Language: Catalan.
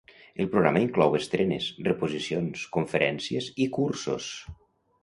El programa inclou estrenes, reposicions, conferències i cursos.